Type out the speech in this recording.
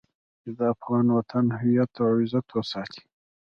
چې د افغان وطن هويت او عزت وساتي.